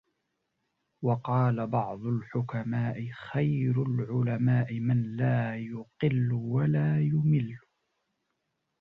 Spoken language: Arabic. وَقَالَ بَعْضُ الْحُكَمَاءِ خَيْرُ الْعُلَمَاءِ مَنْ لَا يُقِلُّ وَلَا يُمِلُّ